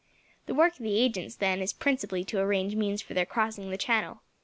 The work of the agents, then, is principally to arrange means for their crossing the channel.